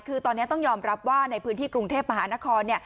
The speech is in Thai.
คือตอนนี้ต้องยอมรับว่าในพื้นที่กรุงเทพมหานคร